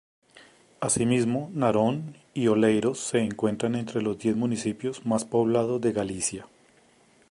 Asimismo, Narón y Oleiros se encuentran entre los diez municipios más poblados de Galicia.